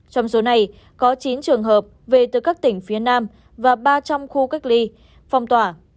trong số này có chín trường hợp về từ các tỉnh phía nam và ba trăm linh khu cách ly phòng tỏa